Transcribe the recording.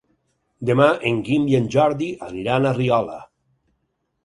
Demà en Guim i en Jordi aniran a Riola.